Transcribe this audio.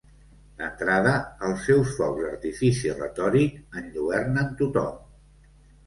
D'entrada, els seus focs d'artifici retòric enlluernen tothom.